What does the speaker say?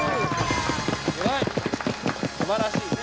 すばらしいね。